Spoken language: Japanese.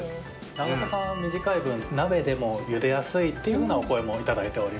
長さが短い分鍋でも茹でやすいっていうふうなお声も頂いております。